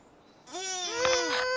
うん。